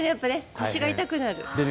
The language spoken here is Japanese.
腰が痛くなる。